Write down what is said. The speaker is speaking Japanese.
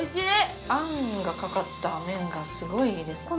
あんがかかった麺がすごくいいです。